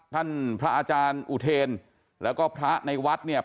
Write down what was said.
พระอาจารย์อุเทนแล้วก็พระในวัดเนี่ย